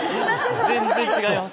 全然違います